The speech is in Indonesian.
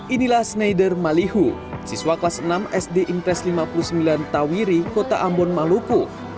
inilah snaider malihu siswa kelas enam sd impres lima puluh sembilan tawiri kota ambon maluku